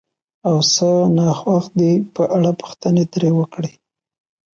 او څه ناخوښ دي په اړه پوښتنې ترې وکړئ،